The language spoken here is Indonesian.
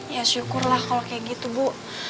ya syukurlah kalau kayak gitu bu